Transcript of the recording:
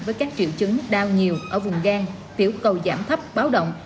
với các triệu chứng đau nhiều ở vùng gan tiểu cầu giảm thấp báo động